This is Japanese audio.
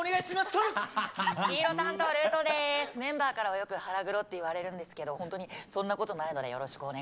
メンバーからはよく腹黒って言われるんですけどほんとにそんなことないのでよろしくお願いします。